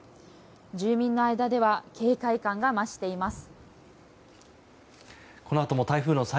住民の間では警戒感が増しています。